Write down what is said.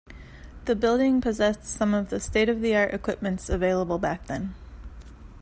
The building possessed some of the state-of-the-art equipments available back then.